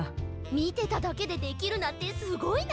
みてただけでできるなんてすごいな！